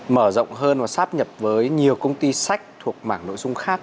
mở rộng hơn và sáp nhập với nhiều công ty sách thuộc mảng nội dung khác